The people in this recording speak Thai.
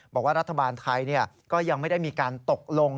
บอกว่ารัฐบาลไทยก็ยังไม่ได้มีการตกลง